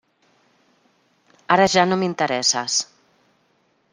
Ara ja no m'interesses.